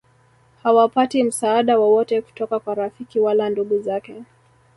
hawapati msaada wowote kutoka kwa rafiki wala ndugu zake